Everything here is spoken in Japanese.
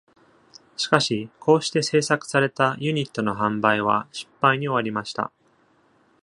しかし、こうして製作されたユニットの販売は失敗に終わりました。